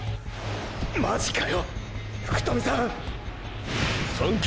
マジかよ福富さん！！三強！！